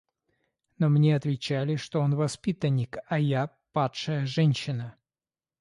Но мне отвечали, что он воспитанник, а я падшая женщина.